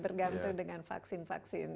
bergantung dengan vaksin vaksin